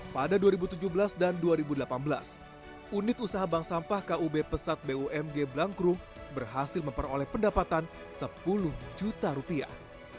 pada dua ribu tujuh belas dan dua ribu delapan belas unit usaha bank sampah kub pesat bumg blangkrum berhasil memperoleh pendapatan sepuluh juta rupiah